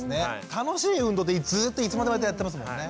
楽しい運動ってずっといつまでもやってますもんね。